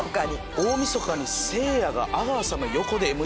大みそかにせいやが阿川さんの横でＭＣ。